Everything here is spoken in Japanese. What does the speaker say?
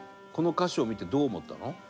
この歌詞を見て、どう思ったの？